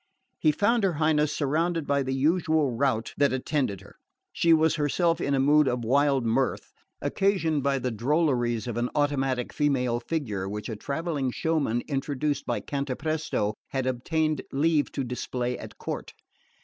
He found her Highness surrounded by the usual rout that attended her. She was herself in a mood of wild mirth, occasioned by the drolleries of an automatic female figure which a travelling showman introduced by Cantapresto had obtained leave to display at court.